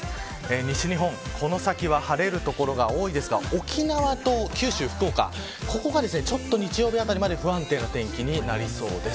西日本は晴れる所が多いですが沖縄と九州、福岡は日曜日あたりまで不安定な天気になりそうです。